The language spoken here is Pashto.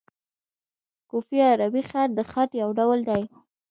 کوفي عربي خط؛ د خط یو ډول دﺉ.